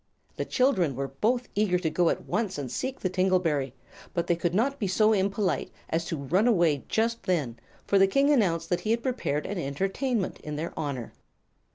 The children were both eager to go at once and seek the tingle berry; but they could not be so impolite as to run away just then, for the King announced that he had prepared an entertainment in their honor.